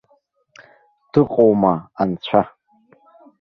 Дыҟоума анцәа?